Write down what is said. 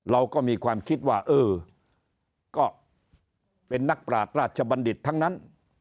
เราก็มีความคิดว่าเออก็เป็นนักปราศราชบัณฑิตทั้งนั้น